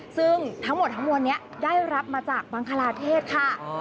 ซึ่งทั้งหมดทั้งมวลนี้ได้รับมาจากบังคลาเทศค่ะ